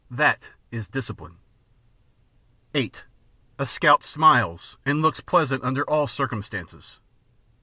That is discipline. 8. A Scout Smiles and Looks Pleasant under all circum stances.